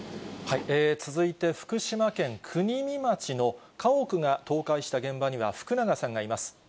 続いて福島県国見町の家屋が倒壊した現場には福永さんがいます。